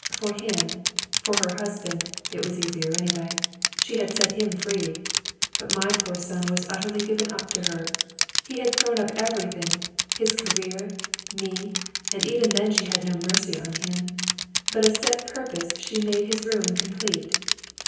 For him, for her husband, it was easier, anyway. She had set him free. But my poor son was utterly given up to her. He had thrown up everything, his career, me, and even then she had no mercy on him, but of set purpose she made his ruin complete.